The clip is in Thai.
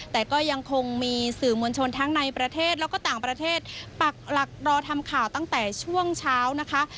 แต่ก็ยังคงมีสื่อมวลชนทั้งในประเทศแล้วก็ต่างประเทศปักหลักรอทำข่าวตั้งแต่ช่วงเช้านะคะ